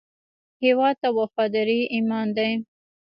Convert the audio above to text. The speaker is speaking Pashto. هیواد ته وفاداري ایمان دی